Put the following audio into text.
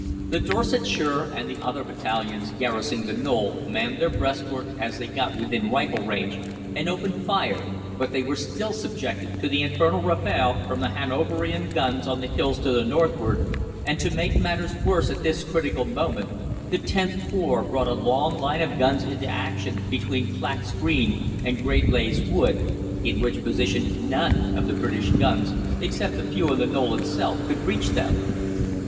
The Dorsetshire and the other battalions garrisoning the knoll manned their breastworks as they got within rifle range, and opened fire, but they were still subjected to the infernal rafale from the Hanoverian guns on the hills to the northward, and to make matters worse at this critical moment the Xth Corps brought a long line of guns into action between Flacks Green and Great Leighs Wood, in which position none of the British guns except a few on the knoll itself could reach them.